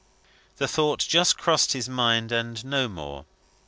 The thought just crossed his mind, and no more.